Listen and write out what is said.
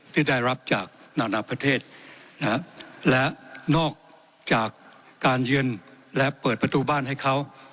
ที่ได้รับจากนานาประเทศและนอกจากการเยือนและเปิดประตูบ้านให้เขา